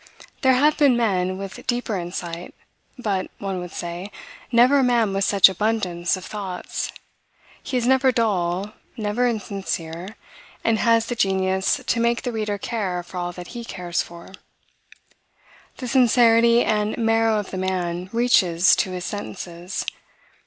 There have been men with deeper insight; but, one would say, never a man with such abundance of thoughts; he is never dull, never insincere, and has the genius to make the reader care for all that he cares for. The sincerity and marrow of the man reaches to his sentences.